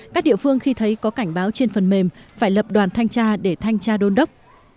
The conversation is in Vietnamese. các địa phương khi thấy có cảnh báo trên phần mềm phải lập đoàn thanh tra để thanh tra đôn đốc